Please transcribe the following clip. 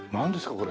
これ。